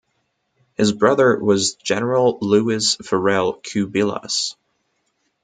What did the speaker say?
His brother was General Luis Farell Cubillas.